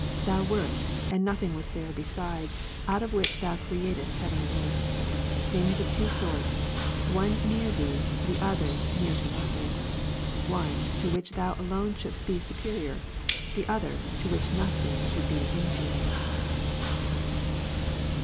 Thou wert, and nothing was there besides, out of which Thou createdst heaven and earth ; things of two sorts; one near Thee, the other near to nothing''; one, to which Thou alone shouldest be superior ; the other, to which nothing should be inferior.